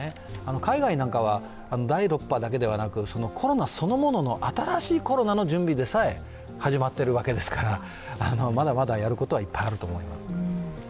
海外などは第６波だけではなく、コロナそのものの新しいコロナの準備でさえ始まっているわけですから、まだまだやることはいっぱいあると思います。